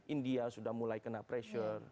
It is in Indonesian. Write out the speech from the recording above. india sudah mulai kena pressure